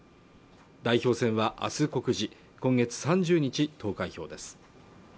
代表選は明日告示今月３０日投開票です